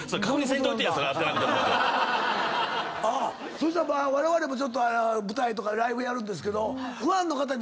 そしたらわれわれも舞台とかライブやるんですけど。